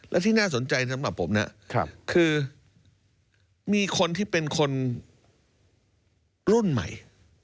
และที่น่าสนใจสำหรับผมนะคือมีคนที่เป็นคนรุ่นใหม่